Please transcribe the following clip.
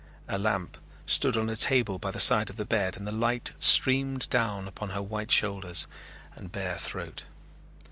A lamp stood on a table by the side of the bed and the light streamed down upon her white shoulders and bare throat.